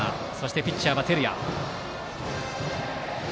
ピッチャーは照屋。